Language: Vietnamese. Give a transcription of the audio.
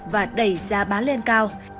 và đẩy giá bán lên cao